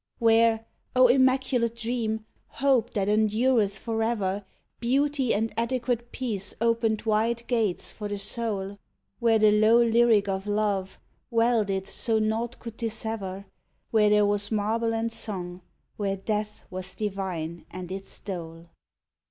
Where O immaculate dream Hope that endureth for ever, Beauty and adequate peace opened wide gates for the soul, Where the low lyric of love welded so nought could dis sever, Where there was marble and song, where death was divine and its dole.